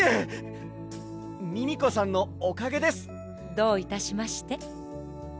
どういたしまして。